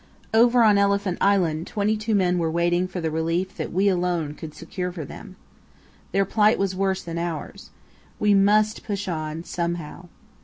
Over on Elephant Island twenty two men were waiting for the relief that we alone could secure for them. Their plight was worse than ours. We must push on somehow.